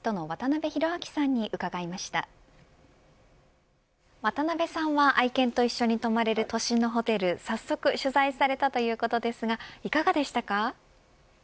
渡辺さんは愛犬と一緒に泊まれる都心のホテル早速取材されたということですがいかがでしたか。